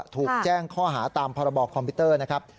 ถูกแจ้งข้อหาตามพรบคอมพิวเตอร์นะครับ